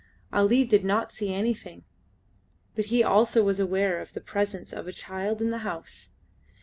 Ali did not see anything, but he also was aware of the presence of a child in the house.